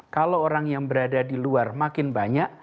kalau orang yang berada di luar makin banyak